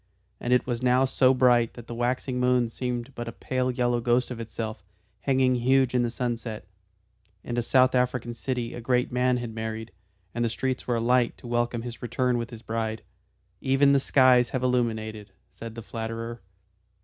And it was now so bright that the waxing moon seemed but a pale yellow ghost of itself, hanging huge in the sunset. In a South African city a great man had married, and the streets were alight to welcome his return with his bride. "Even the skies have illuminated," said the flatterer.